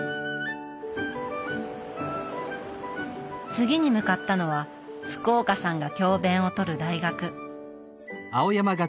次に向かったのは福岡さんが教べんを執る大学。